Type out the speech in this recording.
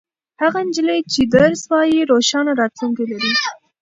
هغه نجلۍ چې درس وايي روښانه راتلونکې لري.